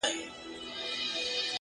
• د دغه ښار ښکلي غزلي خیالوري غواړي ـ